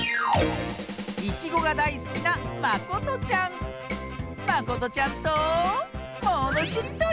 いちごがだいすきなまことちゃんとものしりとり！